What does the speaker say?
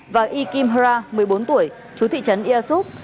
và y kim hra một mươi bốn tuổi chú thị trấn ia súp